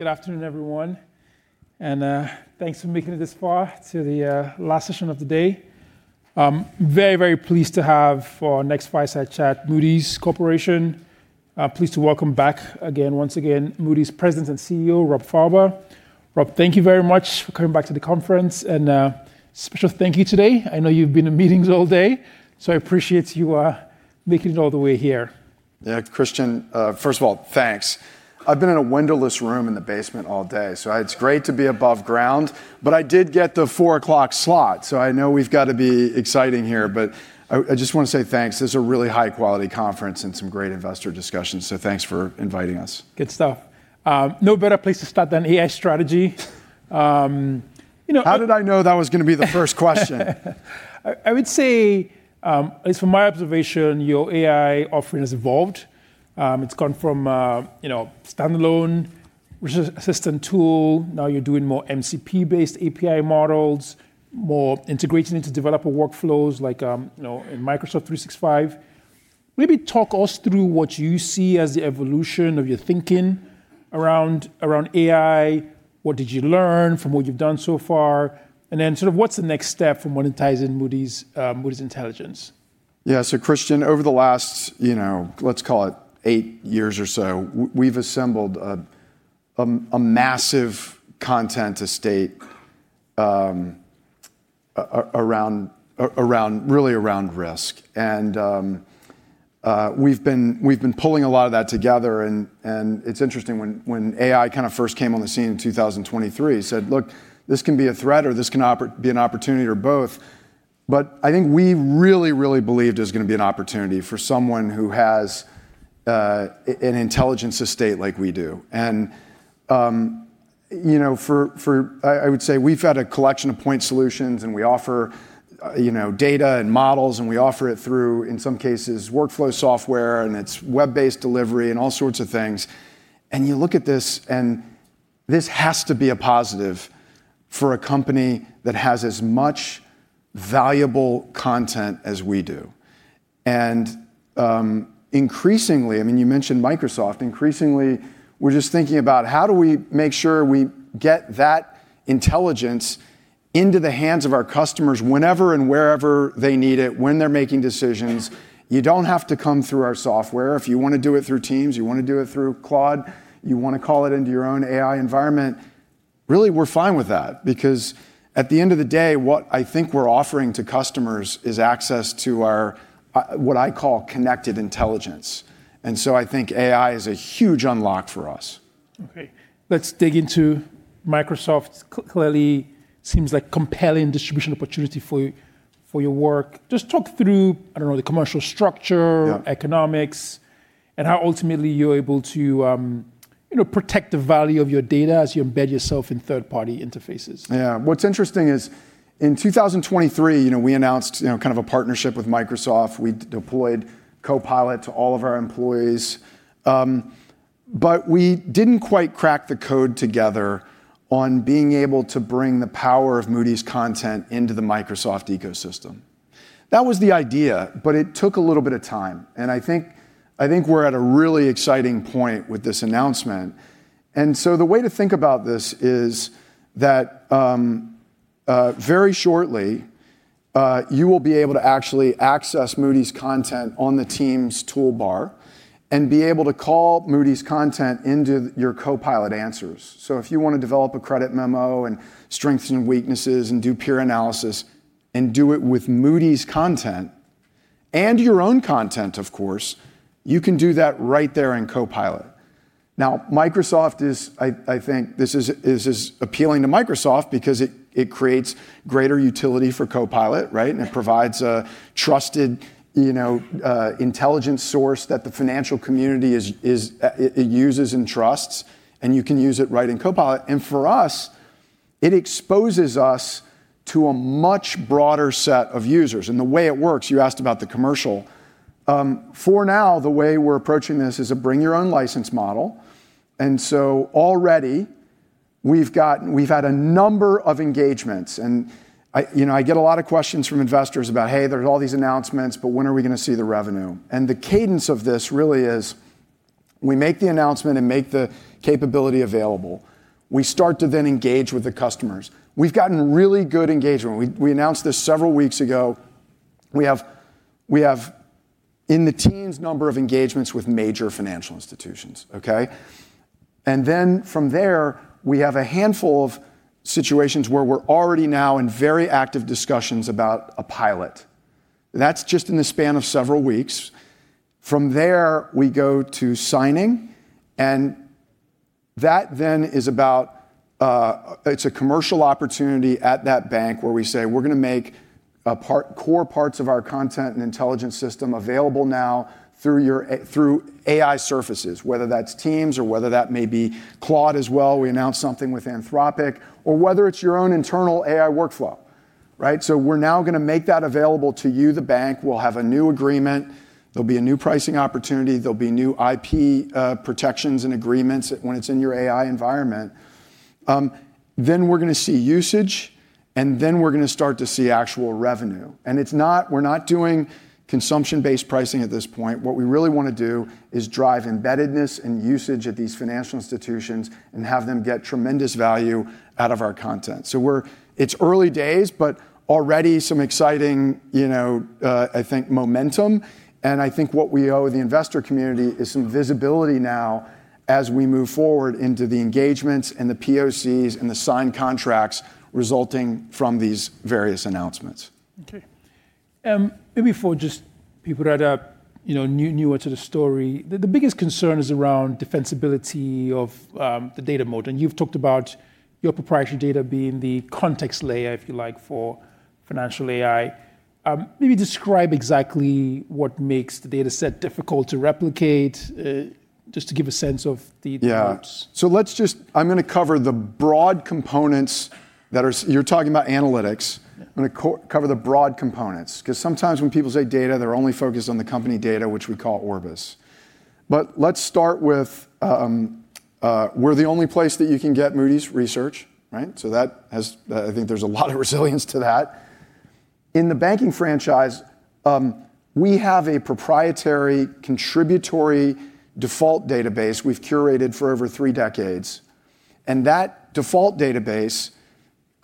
Good afternoon, everyone. Thanks for making it this far to the last session of the day. I'm very pleased to have for our next fireside chat, Moody's Corporation. Pleased to welcome back again, Moody's President and CEO, Rob Fauber. Rob, thank you very much for coming back to the conference. Special thank you today. I know you've been in meetings all day. I appreciate you making it all the way here. Yeah. Christian, first of all, thanks. I've been in a windowless room in the basement all day, so it's great to be above ground. I did get the 4:00 slot, so I know we've got to be exciting here, but I just want to say thanks. This is a really high-quality conference and some great investor discussions. Thanks for inviting us. Good stuff. No better place to start than AI strategy. How did I know that was going to be the first question? I would say, at least from my observation, your AI offering has evolved. It's gone from standalone assistant tool, now you're doing more MCP-based API models, more integrating into developer workflows like in Microsoft 365. Maybe talk us through what you see as the evolution of your thinking around AI. What did you learn from what you've done so far? Then sort of what's the next step for monetizing Moody's intelligence? Yeah. Christian, over the last, let's call it eight years or so, we've assembled a massive content estate really around risk. We've been pulling a lot of that together and it's interesting when AI first came on the scene in 2023, said, "Look, this can be a threat or this can be an opportunity or both." I think we really, really believed it was going to be an opportunity for someone who has an intelligence estate like we do. I would say we've had a collection of point solutions, and we offer data and models, and we offer it through, in some cases, workflow software, and it's web-based delivery and all sorts of things. You look at this, and this has to be a positive for a company that has as much valuable content as we do. Increasingly, I mean, you mentioned Microsoft, increasingly, we're just thinking about how do we make sure we get that intelligence into the hands of our customers whenever and wherever they need it, when they're making decisions. You don't have to come through our software. If you want to do it through Teams, you want to do it through Claude, you want to call it into your own AI environment, really, we're fine with that because at the end of the day, what I think we're offering to customers is access to what I call connected intelligence. So I think AI is a huge unlock for us. Okay. Let's dig into Microsoft. Clearly seems like compelling distribution opportunity for your work. Just talk through, I don't know, the commercial structure. Yeah economics, and how ultimately you're able to protect the value of your data as you embed yourself in third-party interfaces. Yeah. What's interesting is in 2023, we announced kind of a partnership with Microsoft. We deployed Copilot to all of our employees. We didn't quite crack the code together on being able to bring the power of Moody's content into the Microsoft ecosystem. That was the idea, but it took a little bit of time, and I think we're at a really exciting point with this announcement. The way to think about this is that very shortly, you will be able to actually access Moody's content on the Teams toolbar and be able to call Moody's content into your Copilot answers. If you want to develop a credit memo and strengthen weaknesses and do peer analysis and do it with Moody's content and your own content, of course, you can do that right there in Copilot. Now, I think this is appealing to Microsoft because it creates greater utility for Copilot, right? Yeah. It provides a trusted intelligence source that the financial community uses and trusts, and you can use it right in Copilot. For us, it exposes us to a much broader set of users. The way it works, you asked about the commercial. For now, the way we're approaching this is a bring your own license model, and so already we've had a number of engagements, and I get a lot of questions from investors about, "Hey, there's all these announcements, but when are we going to see the revenue?" The cadence of this really is we make the announcement and make the capability available. We start to then engage with the customers. We've gotten really good engagement. We announced this several weeks ago. We have in the Teams number of engagements with major financial institutions. Okay? Then from there, we have a handful of situations where we're already now in very active discussions about a pilot. That's just in the span of several weeks. From there, we go to signing, and that then it's a commercial opportunity at that bank where we say we're going to make core parts of our content and intelligence system available now through AI surfaces, whether that's Teams or whether that may be Claude as well. We announced something with Anthropic. Whether it's your own internal AI workflow, right? We're now going to make that available to you, the bank. We'll have a new agreement. There'll be a new pricing opportunity. There'll be new IP protections and agreements when it's in your AI environment. We're going to see usage, and then we're going to start to see actual revenue. We're not doing consumption-based pricing at this point. What we really want to do is drive embeddedness and usage at these financial institutions and have them get tremendous value out of our content. It's early days, but already some exciting, I think, momentum. I think what we owe the investor community is some visibility now as we move forward into the engagements, and the POCs, and the signed contracts resulting from these various announcements. Okay. Maybe for just people that are newer to the story, the biggest concern is around defensibility of the data moat. You've talked about your proprietary data being the context layer, if you like, for financial AI. Maybe describe exactly what makes the data set difficult to replicate, just to give a sense of. Yeah moats. I'm going to cover the broad components. You're talking about analytics. Yeah. I'm going to cover the broad components, because sometimes when people say data, they're only focused on the company data, which we call Orbis. Let's start with, we're the only place that you can get Moody's research. Right? I think there's a lot of resilience to that. In the banking franchise, we have a proprietary contributory default database we've curated for over three decades. That default database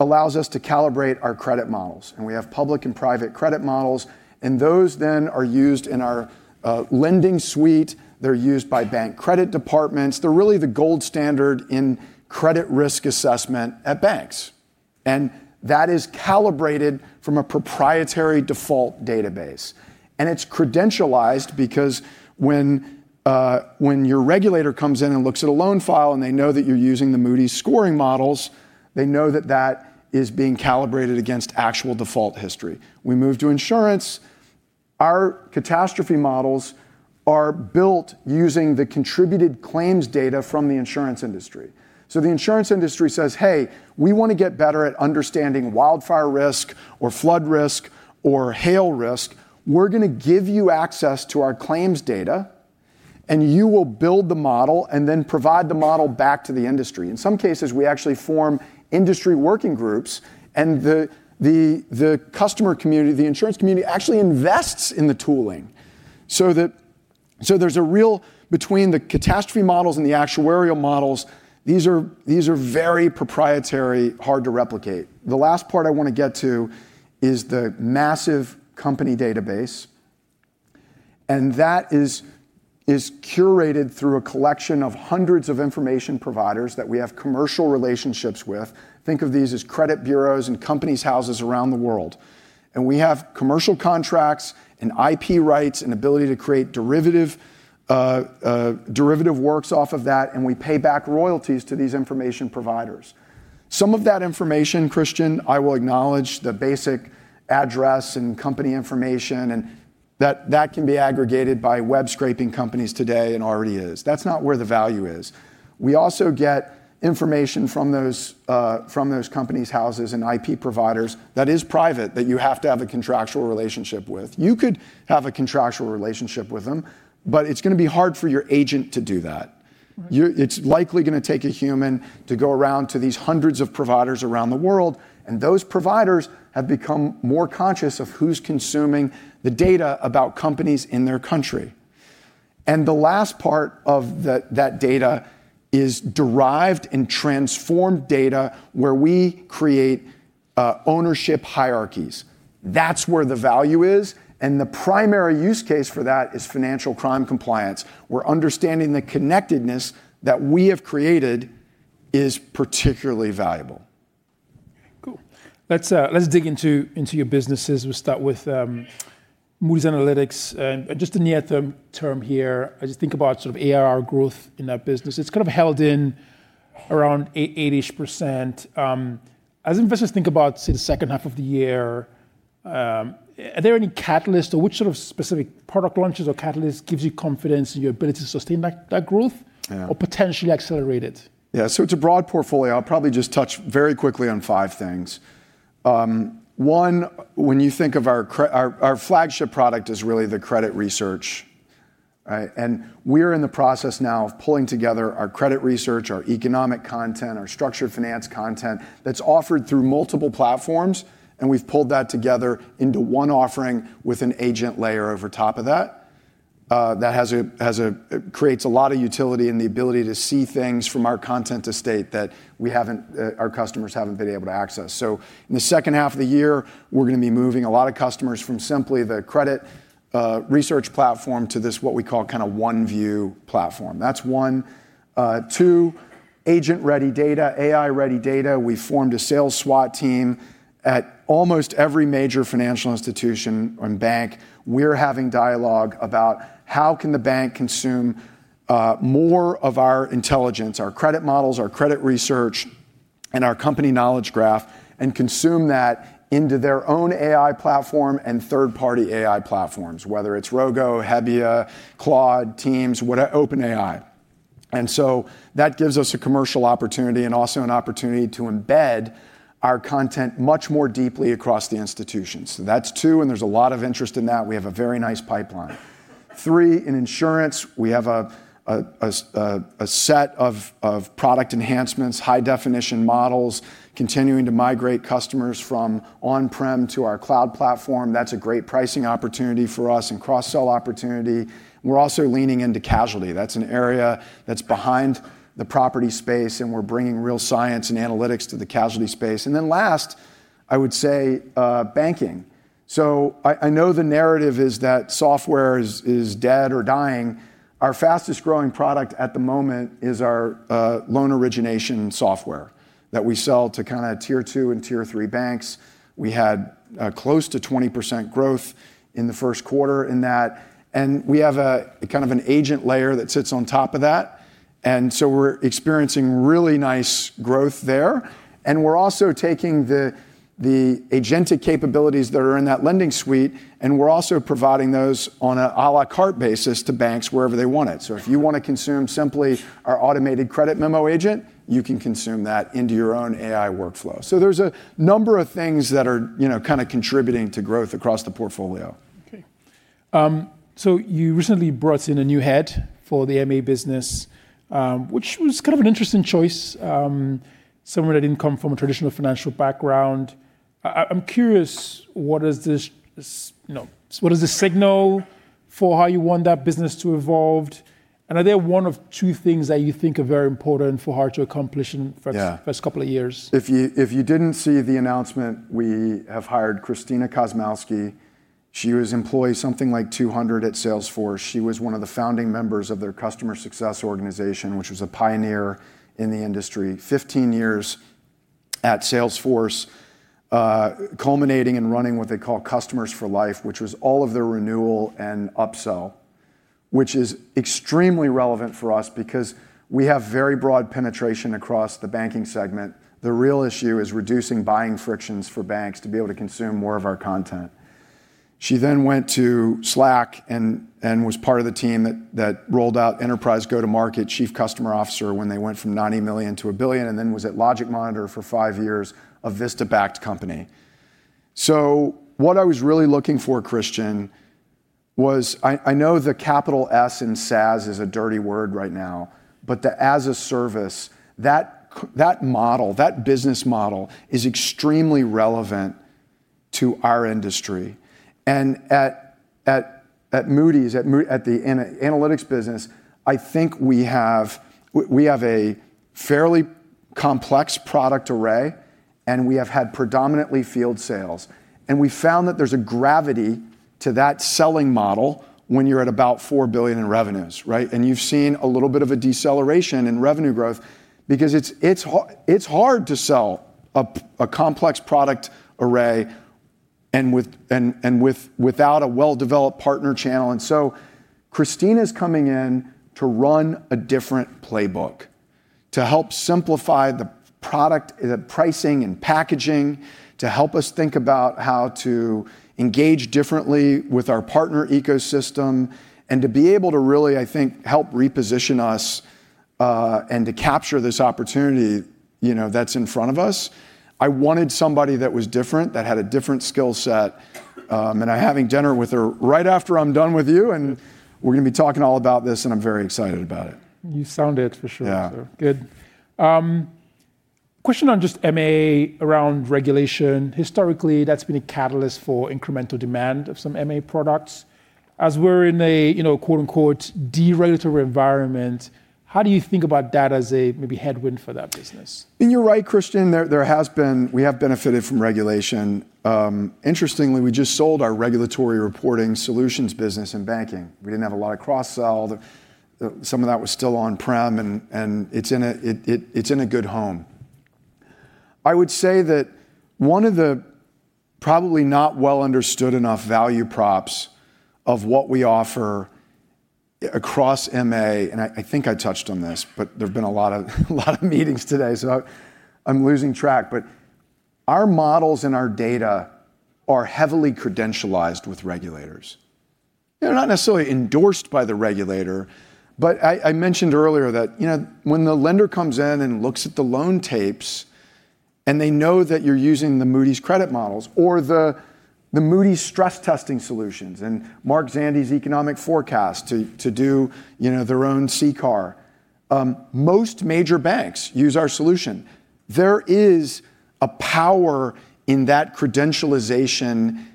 allows us to calibrate our credit models. We have public and private credit models. Those then are used in our lending suite. They're used by bank credit departments. They're really the gold standard in credit risk assessment at banks. That is calibrated from a proprietary default database. It's credentialized because when your regulator comes in and looks at a loan file and they know that you're using the Moody's scoring models, they know that that is being calibrated against actual default history. We move to insurance. Our catastrophe models are built using the contributed claims data from the insurance industry. The insurance industry says, "Hey, we want to get better at understanding wildfire risk, or flood risk, or hail risk. We're going to give you access to our claims data, and you will build the model and then provide the model back to the industry." In some cases, we actually form industry working groups, and the customer community, the insurance community, actually invests in the tooling. Between the catastrophe models and the actuarial models, these are very proprietary, hard to replicate. The last part I want to get to is the massive company database, and that is curated through a collection of hundreds of information providers that we have commercial relationships with. Think of these as credit bureaus and companies' houses around the world. We have commercial contracts, and IP rights, and ability to create derivative works off of that, and we pay back royalties to these information providers. Some of that information, Christian, I will acknowledge, the basic address and company information, and that can be aggregated by web-scraping companies today and already is. That's not where the value is. We also get information from those companies' houses and IP providers that is private, that you have to have a contractual relationship with. You could have a contractual relationship with them, but it's going to be hard for your agent to do that. Right. It's likely going to take a human to go around to these hundreds of providers around the world, and those providers have become more conscious of who's consuming the data about companies in their country. The last part of that data is derived and transformed data where we create ownership hierarchies. That's where the value is, and the primary use case for that is financial crime compliance, where understanding the connectedness that we have created is particularly valuable. Cool. Let's dig into your businesses. We'll start with Moody's Analytics. Just a near-term here, I just think about sort of ARR growth in that business. It's kind of held in around 80-ish%. As investors think about, say, the second half of the year, are there any catalysts or which sort of specific product launches or catalysts gives you confidence in your ability to sustain that growth? Yeah potentially accelerate it? Yeah. It's a broad portfolio. I'll probably just touch very quickly on five things. One, when you think of our flagship product is really the credit research, right? We're in the process now of pulling together our credit research, our economic content, our structured finance content that's offered through multiple platforms, and we've pulled that together into one offering with an agent layer over top of that. That creates a lot of utility in the ability to see things from our content estate that our customers haven't been able to access. In the second half of the year, we're going to be moving a lot of customers from simply the credit research platform to this, what we call, OneView platform. That's one. Two, agent-ready data, AI-ready data. We formed a sales SWAT team. At almost every major financial institution and bank, we're having dialogue about how can the bank consume more of our intelligence, our credit models, our credit research, and our company knowledge graph, and consume that into their own AI platform and third-party AI platforms, whether it's Rogo, Hebbia, Claude, Teams, OpenAI. That gives us a commercial opportunity and also an opportunity to embed our content much more deeply across the institutions. That's two, and there's a lot of interest in that. We have a very nice pipeline. Three, in insurance, we have a set of product enhancements, high-definition models, continuing to migrate customers from on-prem to our cloud platform. That's a great pricing opportunity for us and cross-sell opportunity. We're also leaning into casualty. That's an area that's behind the property space, and we're bringing real science and analytics to the casualty space. Last, I would say banking. I know the narrative is that software is dead or dying. Our fastest-growing product at the moment is our loan origination software that we sell to tier 2 and tier 3 banks. We had close to 20% growth in the first quarter in that, and we have a kind of an agent layer that sits on top of that. We're experiencing really nice growth there. We're also taking the agentic capabilities that are in that lending suite, and we're also providing those on an à la carte basis to banks wherever they want it. If you want to consume simply our automated credit memo agent, you can consume that into your own AI workflow. There's a number of things that are kind of contributing to growth across the portfolio. Okay. You recently brought in a new head for the MA business, which was kind of an interesting choice, someone that didn't come from a traditional financial background. I'm curious, what is the signal for how you want that business to evolve? Are there one of two things that you think are very important for her to accomplish? Yeah first couple of years? If you didn't see the announcement, we have hired Christina Kosmowski. She was employee something like 200 at Salesforce. She was one of the founding members of their customer success organization, which was a pioneer in the industry. 15 years at Salesforce, culminating and running what they call Customers for Life, which was all of their renewal and upsell, which is extremely relevant for us because we have very broad penetration across the banking segment. The real issue is reducing buying frictions for banks to be able to consume more of our content. She then went to Slack and was part of the team that rolled out enterprise go-to-market chief customer officer when they went from $90 million to $1 billion, and then was at LogicMonitor for five years, a Vista-backed company. What I was really looking for, Christian, was, I know the capital S in SaaS is a dirty word right now, but the as-a-service, that model, that business model, is extremely relevant to our industry. At Moody's, at the analytics business, I think we have a fairly complex product array, and we have had predominantly field sales. We found that there's a gravity to that selling model when you're at about $4 billion in revenues, right? You've seen a little bit of a deceleration in revenue growth because it's hard to sell a complex product array and without a well-developed partner channel. Christina's coming in to run a different playbook, to help simplify the product, the pricing, and packaging, to help us think about how to engage differently with our partner ecosystem, and to be able to really, I think, help reposition us, and to capture this opportunity that's in front of us. I wanted somebody that was different, that had a different skill set. I'm having dinner with her right after I'm done with you, and we're going to be talking all about this, and I'm very excited about it. You sound it, for sure. Yeah. Good. Question on just MA around regulation. Historically, that's been a catalyst for incremental demand of some MA products. As we're in a, quote-unquote, "deregulatory environment," how do you think about that as a maybe headwind for that business? You're right, Christian, we have benefited from regulation. Interestingly, we just sold our regulatory reporting solutions business in banking. We didn't have a lot of cross-sell. Some of that was still on-prem, and it's in a good home. I would say that one of the probably not well understood enough value props of what we offer across MA, and I think I touched on this, but there've been a lot of meetings today, so I'm losing track. Our models and our data are heavily credentialized with regulators. They're not necessarily endorsed by the regulator, but I mentioned earlier that when the lender comes in and looks at the loan tapes and they know that you're using the Moody's credit models or the Moody's stress testing solutions and Mark Zandi's economic forecast to do their own CCAR. Most major banks use our solution. There is a power in that credentialization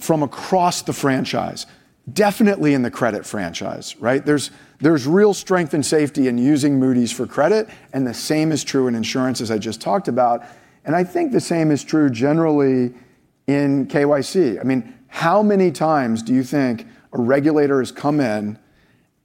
from across the franchise, definitely in the credit franchise, right? There's real strength and safety in using Moody's for credit, and the same is true in insurance as I just talked about. I think the same is true generally in KYC. How many times do you think a regulator has come in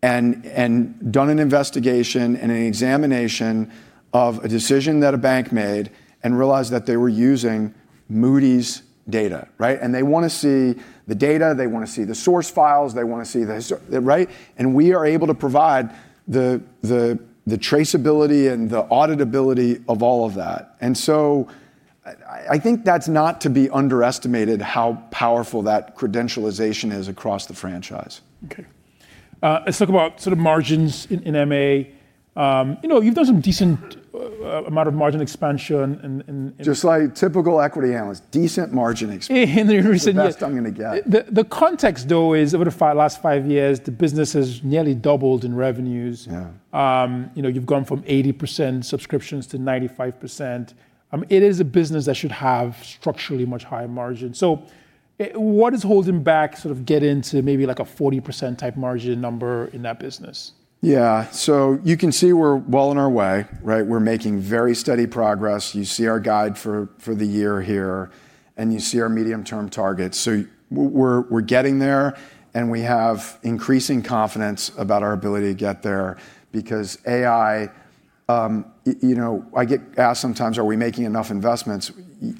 and done an investigation and an examination of a decision that a bank made and realized that they were using Moody's data, right? They want to see the data, they want to see the source files. We are able to provide the traceability and the auditability of all of that. I think that's not to be underestimated how powerful that credentialization is across the franchise. Okay. Let's talk about sort of margins in MA. You've done some decent amount of margin expansion. Just like typical equity analyst, decent margin expansion. In the recent years. The best I'm going to get. The context though is, over the last five years, the business has nearly doubled in revenues. Yeah. You've gone from 80% subscriptions to 95%. It is a business that should have structurally much higher margins. What is holding back sort of get into maybe like a 40%-type margin number in that business? Yeah. You can see we're well on our way, right? We're making very steady progress. You see our guide for the year here, and you see our medium-term targets. We're getting there, and we have increasing confidence about our ability to get there because I get asked sometimes, are we making enough investments?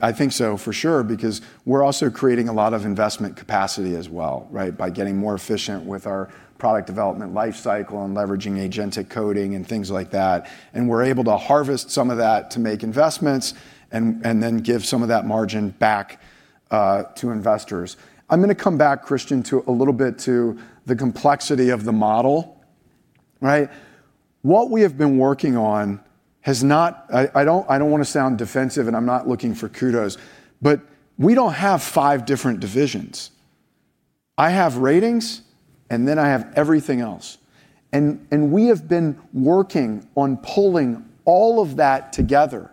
I think so for sure, because we're also creating a lot of investment capacity as well, right, by getting more efficient with our product development life cycle and leveraging agentic coding and things like that. We're able to harvest some of that to make investments and then give some of that margin back to investors. I'm going to come back, Christian, a little bit to the complexity of the model. Right? What we have been working on, I don't want to sound defensive, and I'm not looking for kudos, but we don't have five different divisions. I have ratings and then I have everything else. We have been working on pulling all of that together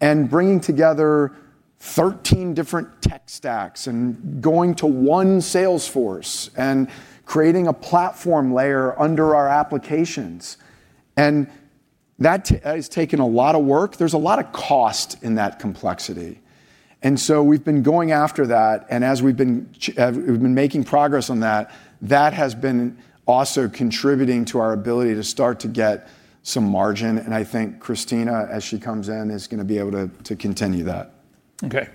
and bringing together 13 different tech stacks and going to one sales force and creating a platform layer under our applications. That has taken a lot of work. There's a lot of cost in that complexity. So we've been going after that, and as we've been making progress on that has been also contributing to our ability to start to get some margin. I think Christina, as she comes in, is going to be able to continue that. Okay.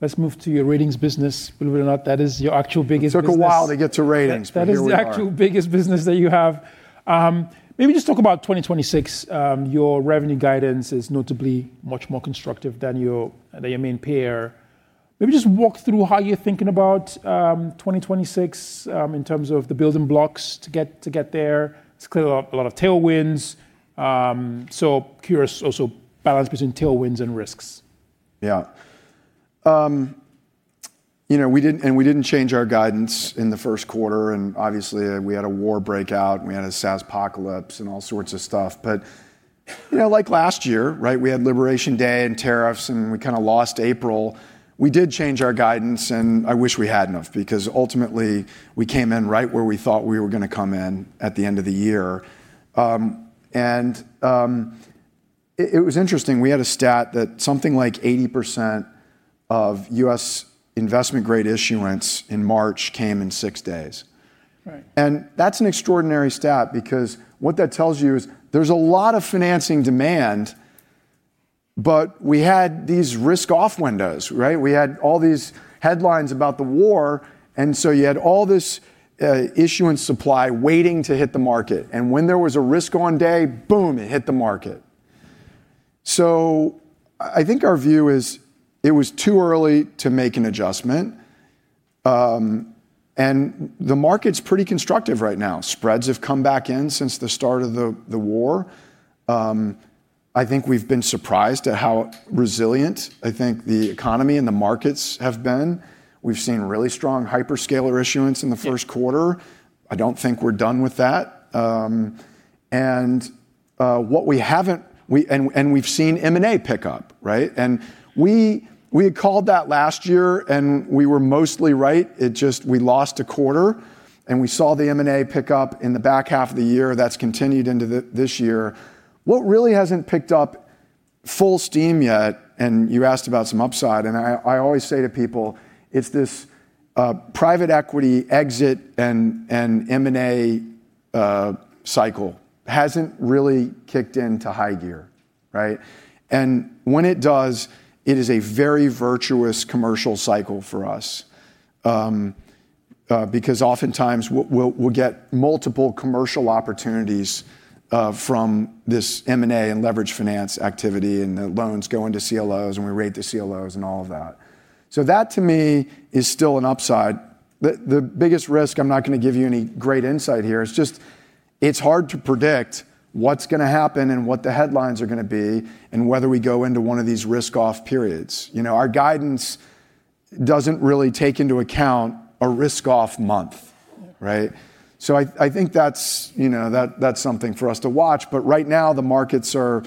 Let's move to your ratings business. Believe it or not, that is your actual biggest business. It took a while to get to ratings, but here we are. That is the actual biggest business that you have. Maybe just talk about 2026. Your revenue guidance is notably much more constructive than your main peer. Maybe just walk through how you're thinking about 2026 in terms of the building blocks to get there. It's clearly a lot of tailwinds. Curious also balance between tailwinds and risks. Yeah. We didn't change our guidance in the first quarter, and obviously we had a war breakout, we had a SaaSpocalypse and all sorts of stuff. Like last year, right, we had Liberation Day and tariffs, and we kind of lost April. We did change our guidance, and I wish we hadn't have, because ultimately we came in right where we thought we were going to come in at the end of the year. It was interesting, we had a stat that something like 80% of U.S. investment-grade issuance in March came in six days. Right. That's an extraordinary stat because what that tells you is there's a lot of financing demand. We had these risk-off windows, right? We had all these headlines about the war, so you had all this issuance supply waiting to hit the market. When there was a risk on day, boom, it hit the market. I think our view is it was too early to make an adjustment. The market's pretty constructive right now. Spreads have come back in since the start of the war. I think we've been surprised at how resilient, I think, the economy and the markets have been. We've seen really strong hyperscaler issuance in the first quarter. I don't think we're done with that. We've seen M&A pick up, right? We had called that last year, and we were mostly right. We lost a quarter, and we saw the M&A pick up in the back half of the year. That's continued into this year. What really hasn't picked up full steam yet, and you asked about some upside, and I always say to people, it's this private equity exit and M&A cycle hasn't really kicked into high gear, right? When it does, it is a very virtuous commercial cycle for us. Oftentimes we'll get multiple commercial opportunities from this M&A and leverage finance activity, and the loans go into CLOs, and we rate the CLOs and all of that. That to me is still an upside. The biggest risk, I'm not going to give you any great insight here, is just it's hard to predict what's going to happen and what the headlines are going to be and whether we go into one of these risk-off periods. Our guidance doesn't really take into account a risk-off month. Yeah. Right. I think that's something for us to watch. Right now, the markets are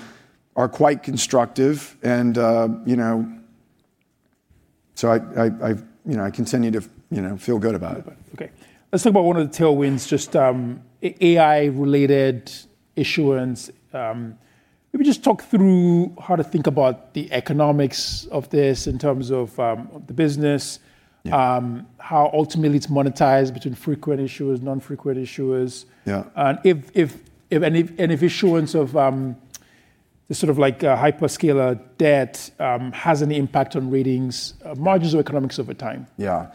quite constructive and I continue to feel good about it. Okay. Let's talk about one of the tailwinds, just AI-related issuance. Maybe just talk through how to think about the economics of this in terms of the business. Yeah. How ultimately it's monetized between frequent issuers, non-frequent issuers. Yeah. If any issuance of the sort of like hyperscaler debt has any impact on ratings margins or economics over time. Yeah.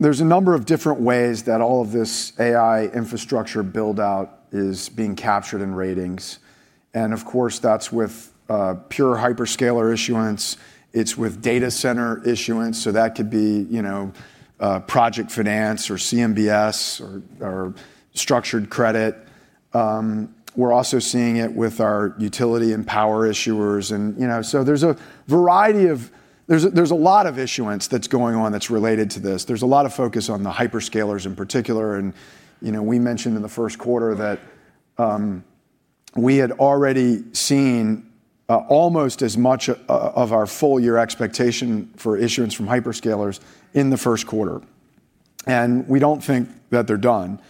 There's a number of different ways that all of this AI infrastructure build-out is being captured in ratings. Of course, that's with pure hyperscaler issuance, it's with data center issuance. That could be project finance or CMBS or structured credit. We're also seeing it with our utility and power issuers. There's a lot of issuance that's going on that's related to this. There's a lot of focus on the hyperscalers in particular. We mentioned in the first quarter that we had already seen almost as much of our full-year expectation for issuance from hyperscalers in the first quarter. We don't think that they're done.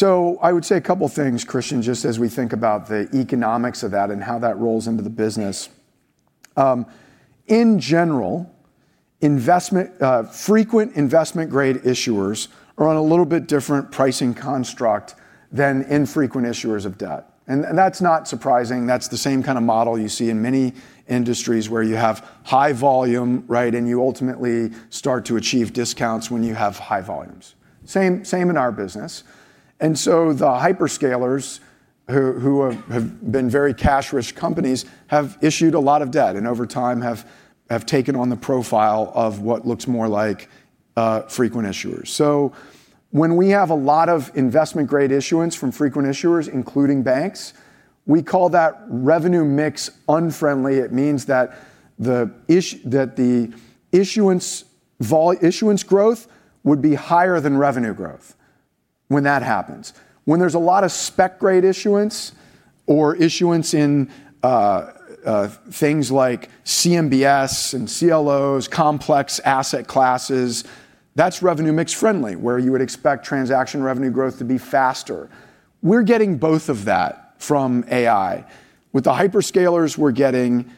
I would say a couple of things, Christian, just as we think about the economics of that and how that rolls into the business. In general, frequent investment-grade issuers are on a little bit different pricing construct than infrequent issuers of debt. That's not surprising. That's the same kind of model you see in many industries where you have high volume, right, and you ultimately start to achieve discounts when you have high volumes. Same in our business. The hyperscalers who have been very cash-rich companies have issued a lot of debt, and over time have taken on the profile of what looks more like frequent issuers. When we have a lot of investment-grade issuance from frequent issuers, including banks, we call that revenue mix unfriendly. It means that the issuance growth would be higher than revenue growth when that happens. When there's a lot of spec-grade issuance or issuance in things like CMBS and CLOs, complex asset classes, that's revenue mix friendly, where you would expect transaction revenue growth to be faster. We're getting both of that from AI. With the hyperscalers, we're getting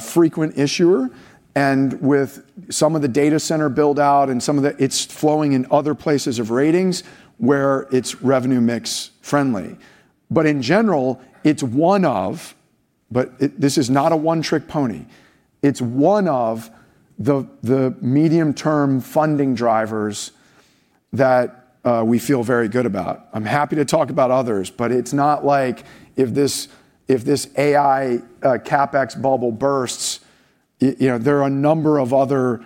frequent issuer. It's flowing in other places of ratings where it's revenue mix friendly. In general, this is not a one-trick pony. It's one of the medium-term funding drivers that we feel very good about. I'm happy to talk about others, but it's not like if this AI CapEx bubble bursts, there are a number of other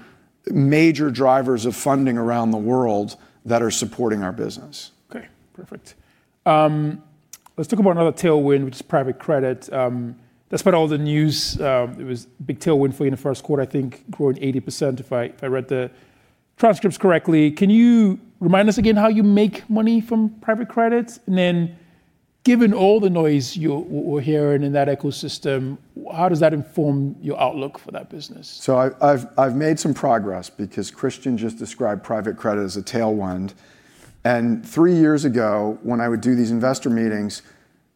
major drivers of funding around the world that are supporting our business. Okay, perfect. Let's talk about another tailwind, which is private credit. That's been all in the news. It was a big tailwind for you in the first quarter, I think growing 80%, if I read the transcripts correctly. Can you remind us again how you make money from private credit? Given all the noise you're hearing in that ecosystem, how does that inform your outlook for that business? I've made some progress because Christian just described private credit as a tailwind. Three years ago, when I would do these investor meetings,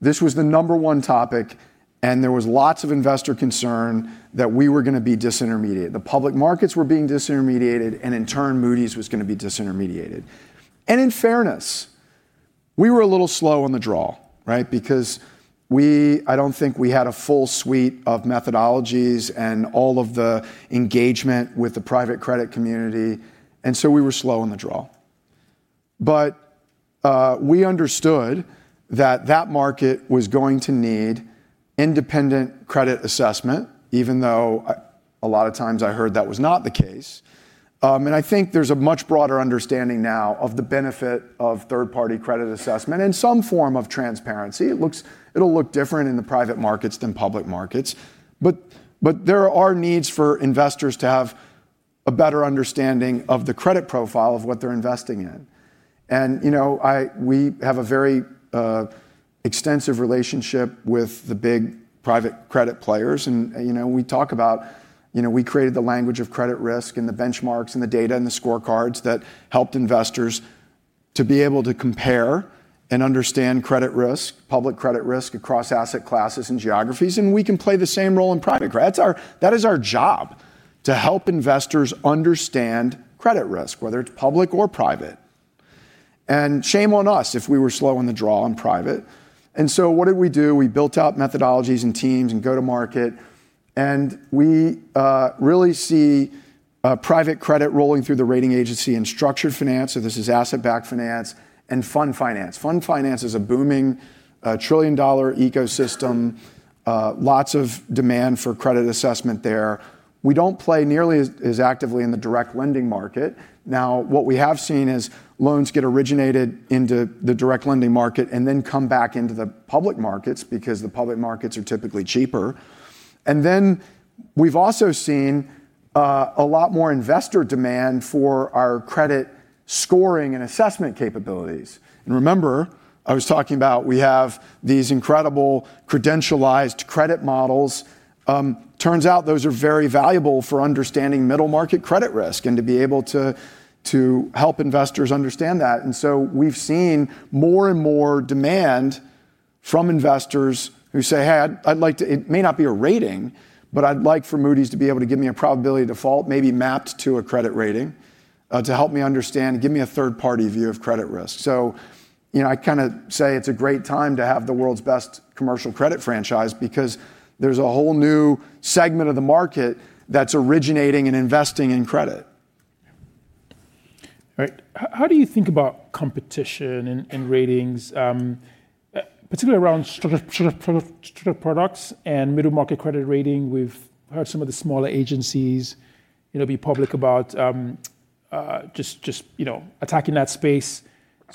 this was the number one topic, and there was lots of investor concern that we were going to be disintermediated. The public markets were being disintermediated, and in turn, Moody's was going to be disintermediated. In fairness, we were a little slow on the draw, right? I don't think we had a full suite of methodologies and all of the engagement with the private credit community, we were slow on the draw. We understood that that market was going to need independent credit assessment, even though a lot of times I heard that was not the case. I think there's a much broader understanding now of the benefit of third-party credit assessment and some form of transparency. It'll look different in the private markets than public markets. There are needs for investors to have a better understanding of the credit profile of what they're investing in. We have a very extensive relationship with the big private credit players. We talk about we created the language of credit risk and the benchmarks and the data and the scorecards that helped investors to be able to compare and understand credit risk, public credit risk across asset classes and geographies, and we can play the same role in private credit. That is our job, to help investors understand credit risk, whether it's public or private. Shame on us if we were slow on the draw on private. What did we do? We built out methodologies and teams and go-to-market, and we really see private credit rolling through the rating agency in structured finance, so this is asset-backed finance, and fund finance. Fund finance is a booming trillion-dollar ecosystem. Lots of demand for credit assessment there. We don't play nearly as actively in the direct lending market. What we have seen is loans get originated into the direct lending market and then come back into the public markets because the public markets are typically cheaper. We've also seen a lot more investor demand for our credit scoring and assessment capabilities. Remember, I was talking about we have these incredible credentialized credit models. Turns out those are very valuable for understanding middle market credit risk and to be able to help investors understand that. We've seen more and more demand from investors who say, "It may not be a rating, but I'd like for Moody's to be able to give me a probability of default, maybe mapped to a credit rating, to help me understand, give me a third-party view of credit risk." I say it's a great time to have the world's best commercial credit franchise because there's a whole new segment of the market that's originating and investing in credit. Right. How do you think about competition in ratings, particularly around structured products and middle market credit rating? We've heard some of the smaller agencies be public about just attacking that space.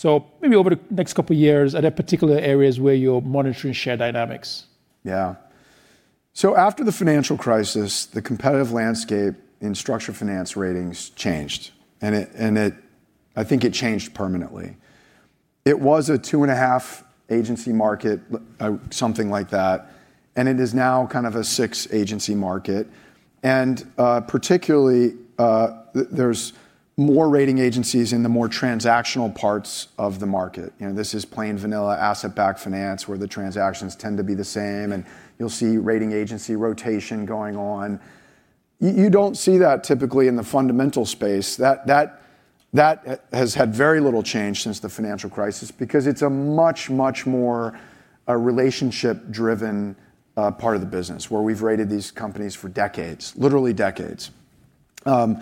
Maybe over the next couple of years, are there particular areas where you're monitoring share dynamics? Yeah. After the financial crisis, the competitive landscape in structured finance ratings changed, and I think it changed permanently. It was a two-and-a-half agency market, something like that, and it is now kind of a six-agency market. Particularly, there's more rating agencies in the more transactional parts of the market. This is plain vanilla asset-backed finance where the transactions tend to be the same, and you'll see rating agency rotation going on. You don't see that typically in the fundamental space. That has had very little change since the financial crisis because it's a much, much more relationship-driven part of the business where we've rated these companies for decades. Literally, decades. We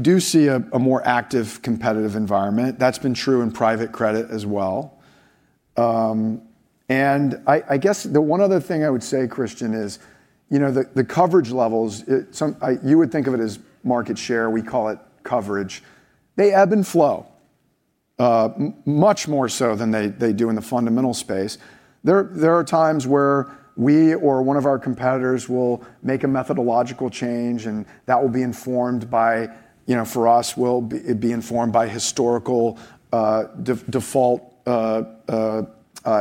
do see a more active, competitive environment. That's been true in private credit as well. I guess the one other thing I would say, Christian, is the coverage levels, you would think of it as market share. We call it coverage. They ebb and flow. Much more so than they do in the fundamental space. There are times where we or one of our competitors will make a methodological change, and for us, it will be informed by historical default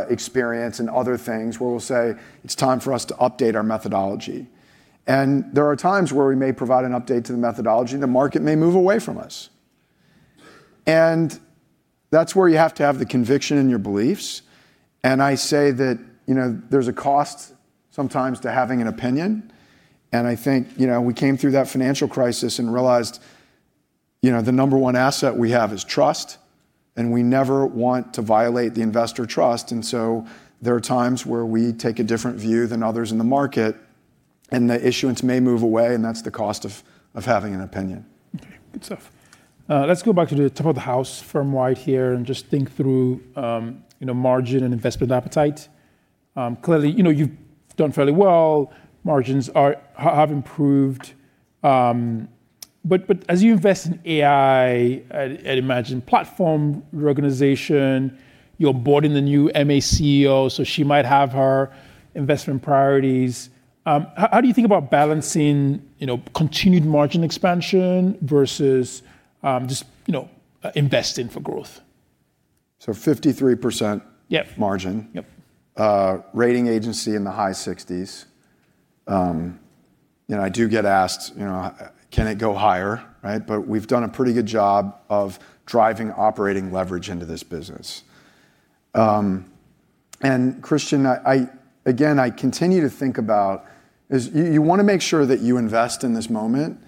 experience and other things where we'll say, "It's time for us to update our methodology." There are times where we may provide an update to the methodology, and the market may move away from us. That's where you have to have the conviction in your beliefs, and I say that there's a cost sometimes to having an opinion, and I think we came through that financial crisis and realized the number one asset we have is trust, and we never want to violate the investor trust. So there are times where we take a different view than others in the market, and the issuance may move away, and that's the cost of having an opinion. Okay. Good stuff. Let's go back to the top of the house firm-wide here and just think through margin and investment appetite. Clearly, you've done fairly well. Margins have improved. As you invest in AI, I'd imagine platform reorganization, you're boarding the new MA CEO, so she might have her investment priorities. How do you think about balancing continued margin expansion versus just investing for growth? 53% margin. Yep. Rating agency in the high 60s. I do get asked, can it go higher, right? We've done a pretty good job of driving operating leverage into this business. Christian, again, I continue to think about is you want to make sure that you invest in this moment,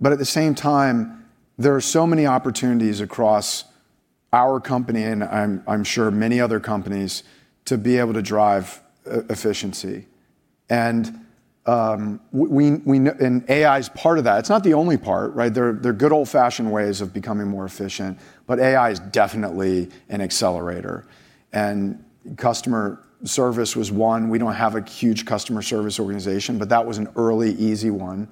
but at the same time, there are so many opportunities across our company, and I'm sure many other companies, to be able to drive efficiency. AI's part of that. It's not the only part, right? There are good old-fashioned ways of becoming more efficient, but AI is definitely an accelerator, and customer service was one. We don't have a huge customer service organization, but that was an early, easy one.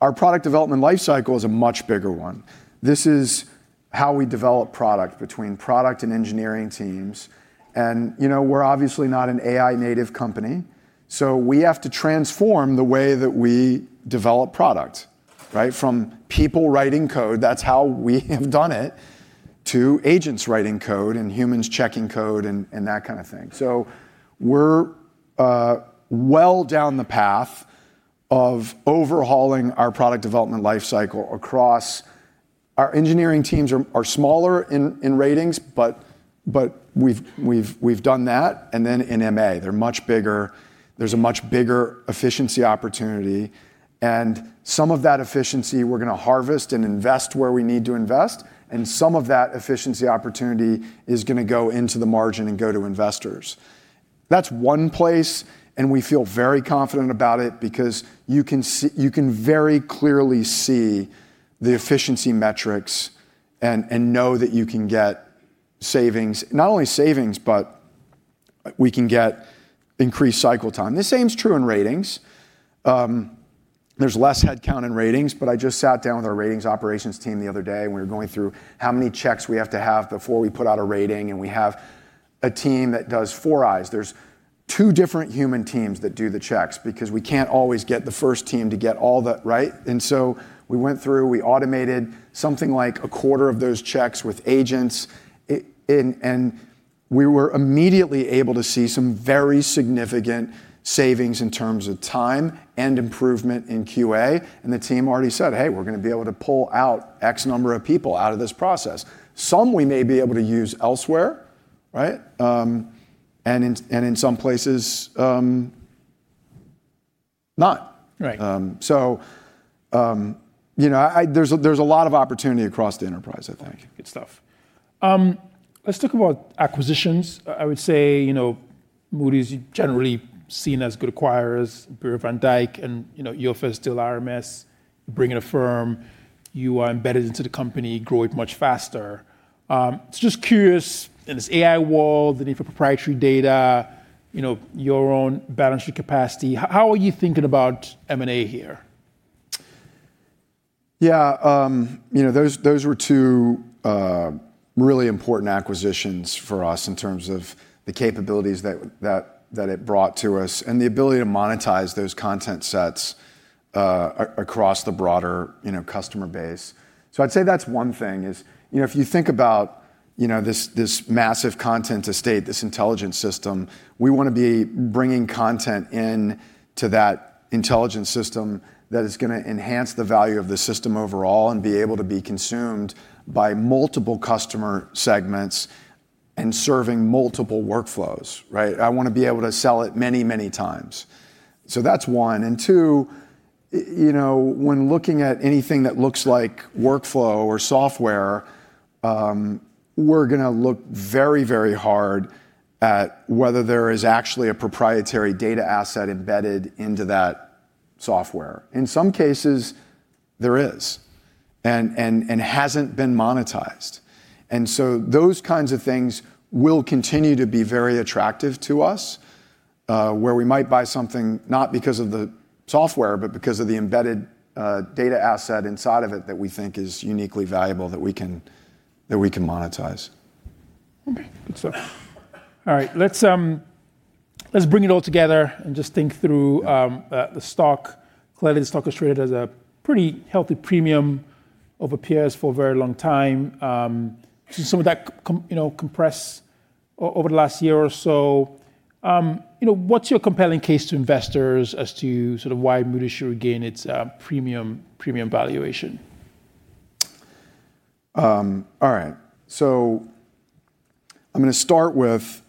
Our product development life cycle is a much bigger one. This is how we develop product between product and engineering teams, and we're obviously not an AI native company, so we have to transform the way that we develop product, right? From people writing code, that's how we have done it, to agents writing code and humans checking code and that kind of thing. We're well down the path of overhauling our product development life cycle across. Our engineering teams are smaller in ratings, but we've done that, and then in MA. They're much bigger. There's a much bigger efficiency opportunity, and some of that efficiency we're going to harvest and invest where we need to invest, and some of that efficiency opportunity is going to go into the margin and go to investors. That's one place, and we feel very confident about it because you can very clearly see the efficiency metrics and know that you can get savings. Not only savings, but we can get increased cycle time. The same is true in ratings. There's less headcount in ratings, but I just sat down with our ratings operations team the other day, and we were going through how many checks we have to have before we put out a rating, and we have a team that does four-eyes principle. There's two different human teams that do the checks because we can't always get the first team to get all that, right? We went through, we automated something like a quarter of those checks with agents. We were immediately able to see some very significant savings in terms of time and improvement in QA, and the team already said, "Hey, we're going to be able to pull out X number of people out of this process." Some we may be able to use elsewhere, right? In some places, not. Right. There's a lot of opportunity across the enterprise, I think. Good stuff. Let's talk about acquisitions. I would say, Moody's, you're generally seen as good acquirers, Bureau van Dijk and you have still RMS, you bring in a firm, you are embedded into the company, grow it much faster. Just curious, in this AI world, the need for proprietary data, your own balancing capacity, how are you thinking about M&A here? Yeah. Those were two really important acquisitions for us in terms of the capabilities that it brought to us, and the ability to monetize those content sets across the broader customer base. I'd say that's one thing is, if you think about this massive content estate, this intelligence system, we want to be bringing content in to that intelligence system that is going to enhance the value of the system overall and be able to be consumed by multiple customer segments, and serving multiple workflows, right? I want to be able to sell it many, many times. That's one. Two, when looking at anything that looks like workflow or software, we're going to look very, very hard at whether there is actually a proprietary data asset embedded into that software. In some cases there is, and hasn't been monetized. Those kinds of things will continue to be very attractive to us. Where we might buy something not because of the software, but because of the embedded data asset inside of it that we think is uniquely valuable that we can monetize. Okay. Good stuff. All right. Let's bring it all together and just think through the stock. Clearly the stock has traded as a pretty healthy premium over the last year or so. What's your compelling case to investors as to sort of why Moody's should regain its premium valuation? All right. I'm going to start with,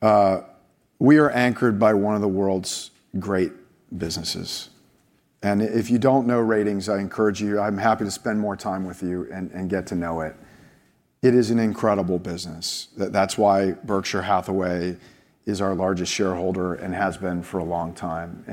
we are anchored by one of the world's great businesses. If you don't know ratings, I encourage you, I'm happy to spend more time with you and get to know it. It is an incredible business. That's why Berkshire Hathaway is our largest shareholder and has been for a long time.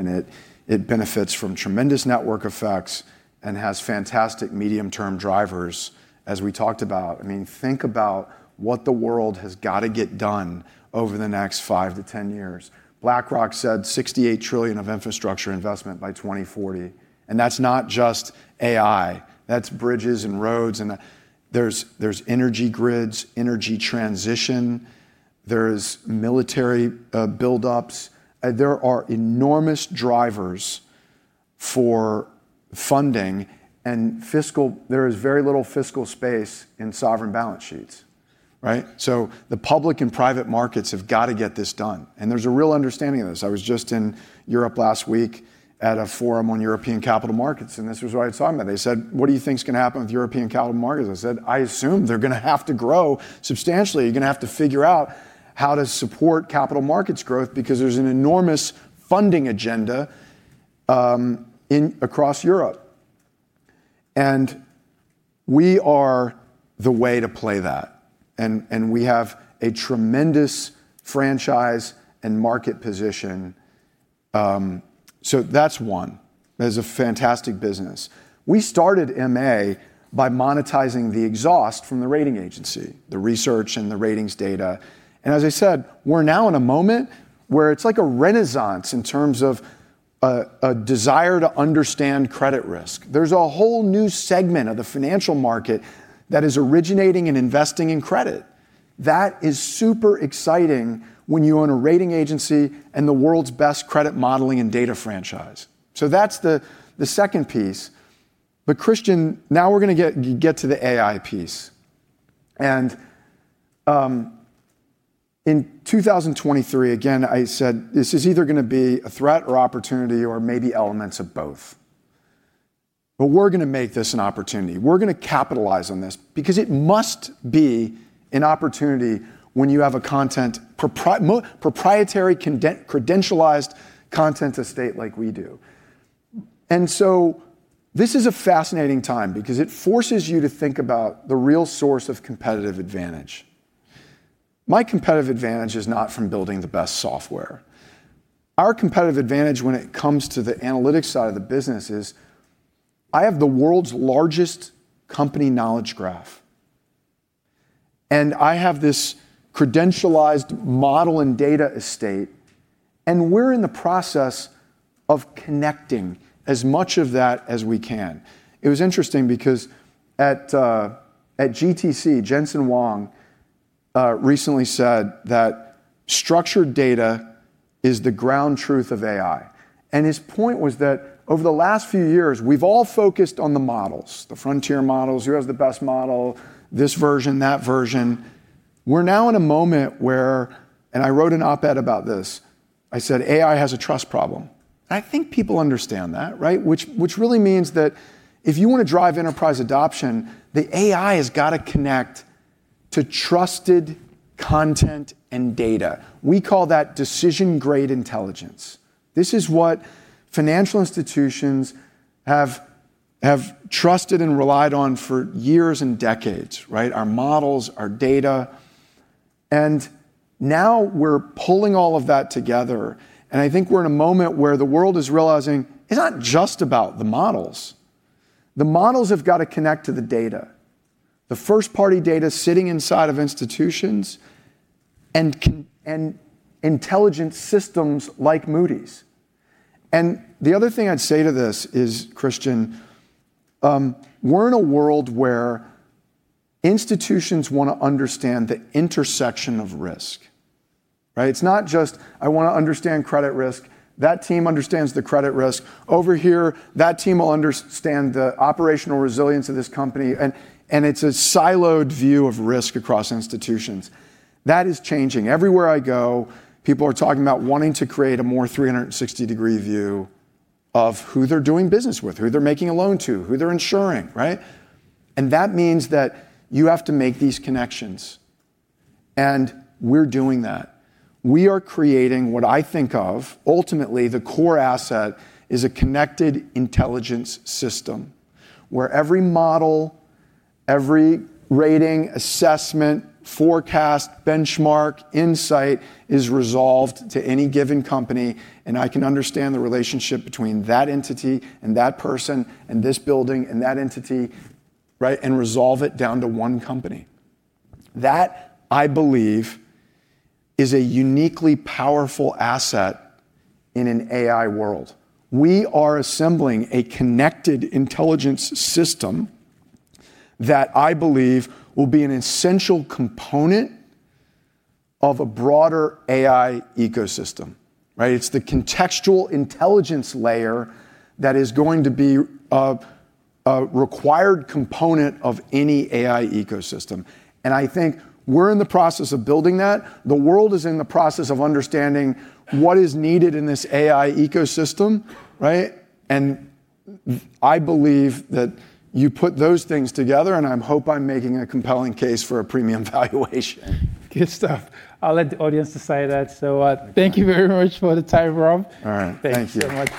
It benefits from tremendous network effects and has fantastic medium term drivers as we talked about. I mean, think about what the world has got to get done over the next five to 10 years. BlackRock said $68 trillion of infrastructure investment by 2040, and that's not just AI, that's bridges and roads and there's energy grids, energy transition, there's military buildups. There are enormous drivers for funding. There is very little fiscal space in sovereign balance sheets, right? The public and private markets have got to get this done, and there's a real understanding of this. I was just in Europe last week at a forum on European capital markets, and this was what I was talking about. They said, "What do you think is going to happen with European capital markets?" I said, "I assume they're going to have to grow substantially. You're going to have to figure out how to support capital markets growth because there's an enormous funding agenda across Europe." We are the way to play that. We have a tremendous franchise and market position. That's one. That is a fantastic business. We started MA by monetizing the exhaust from the rating agency, the research, and the ratings data. As I said, we're now in a moment where it's like a renaissance in terms of a desire to understand credit risk. There's a whole new segment of the financial market that is originating and investing in credit. That is super exciting when you own a rating agency and the world's best credit modeling and data franchise. That's the second piece. Christian, now we're going to get to the AI piece. In 2023, again, I said, this is either going to be a threat or opportunity or maybe elements of both. We're going to make this an opportunity. We're going to capitalize on this because it must be an opportunity when you have a proprietary credentialized content estate like we do. This is a fascinating time because it forces you to think about the real source of competitive advantage. My competitive advantage is not from building the best software. Our competitive advantage when it comes to the analytics side of the business is, I have the world's largest company knowledge graph, and I have this credentialized model and data estate, and we're in the process of connecting as much of that as we can. It was interesting because at GTC, Jensen Huang recently said that structured data is the ground truth of AI. His point was that over the last few years, we've all focused on the models, the frontier models, who has the best model, this version, that version. We're now in a moment where I wrote an op-ed about this. I said, "AI has a trust problem." I think people understand that, right? Which really means that if you want to drive enterprise adoption, the AI has got to connect to trusted content and data. We call that decision-grade intelligence. This is what financial institutions have trusted and relied on for years and decades, right? Our models, our data, and now we're pulling all of that together, and I think we're in a moment where the world is realizing it's not just about the models. The models have got to connect to the data. The first-party data sitting inside of institutions and intelligent systems like Moody's. The other thing I'd say to this is, Christian, we're in a world where institutions want to understand the intersection of risk. It's not just I want to understand credit risk. That team understands the credit risk. Over here, that team will understand the operational resilience of this company. It's a siloed view of risk across institutions. That is changing. Everywhere I go, people are talking about wanting to create a more 360-degree view of who they're doing business with, who they're making a loan to, who they're insuring, right? That means that you have to make these connections. We're doing that. We are creating what I think of, ultimately, the core asset is a connected intelligence system where every model, every rating, assessment, forecast, benchmark, insight is resolved to any given company, and I can understand the relationship between that entity and that person and this building and that entity and resolve it down to one company. That, I believe, is a uniquely powerful asset in an AI world. We are assembling a connected intelligence system that I believe will be an essential component of a broader AI ecosystem. It's the contextual intelligence layer that is going to be a required component of any AI ecosystem. I think we're in the process of building that. The world is in the process of understanding what is needed in this AI ecosystem, right? I believe that you put those things together, and I hope I'm making a compelling case for a premium valuation. Good stuff. I'll let the audience decide that. Thank you very much for the time, Rob. All right. Thank you. Thank you so much.